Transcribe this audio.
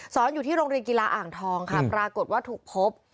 อยู่ที่โรงเรียนกีฬาอ่างทองค่ะปรากฏว่าถูกพบ